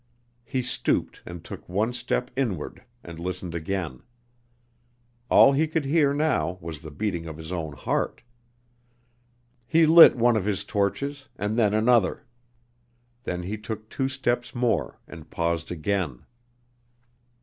He stooped and took one step inward, and listened again. All he could hear now was the beating of his own heart. He lit one of his torches and then another. Then he took two steps more and paused again.